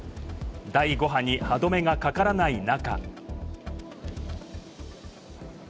第５波に歯止めがかからない中。